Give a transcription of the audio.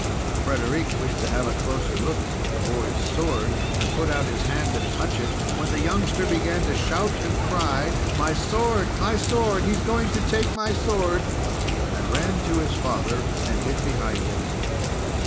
Frederic wished to have a closer look at the boy's sword, and put out his hand to touch it, when the youngster began to shout and cry: "My sword! My sword! He is going to take my sword!" and ran to his father and hid behind him.